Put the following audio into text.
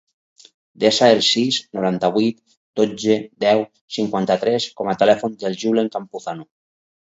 Desa el sis, noranta-vuit, dotze, deu, cinquanta-tres com a telèfon del Julen Campuzano.